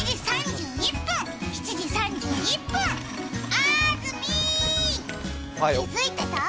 あーずみー、気づいてた？